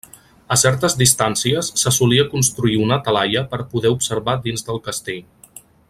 A certes distàncies se solia construir una talaia per poder observar dins del castell.